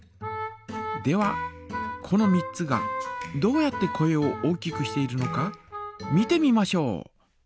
ではこの３つがどうやって声を大きくしているのか見てみましょう！